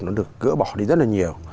nó được cửa bỏ đi rất là nhiều